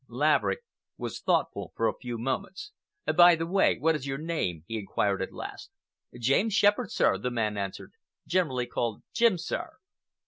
Laverick was thoughtful for a few moments. "By the way, what is your name?" he inquired at last. "James Shepherd, sir," the man answered,—"generally called Jim, sir."